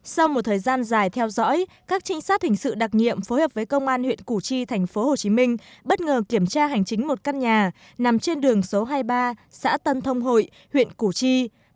sau một thời gian dài theo dõi các trinh sát hình sự đặc nhiệm phối hợp với công an huyện củ chi tp hcm bất ngờ kiểm tra hành chính một căn nhà nằm trên đường số hai mươi ba xã tân thông hội huyện củ chi